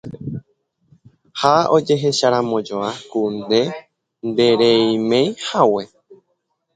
ha ojecheramojoa ku nde ndereimeihague